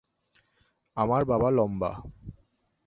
আমার বাবা লম্বা।